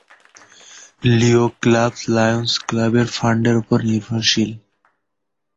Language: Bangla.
লিও ক্লাব লায়ন্স ক্লাবের ফান্ডের উপর নির্ভরশীল।